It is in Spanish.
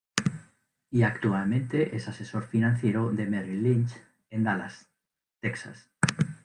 Y actualmente es asesor financiero de Merrill Lynch en Dallas, Texas